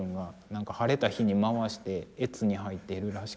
なんか晴れた日に回して悦に入っているらしくて。